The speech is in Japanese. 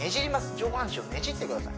上半身をねじってください